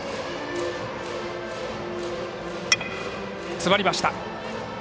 詰まりました。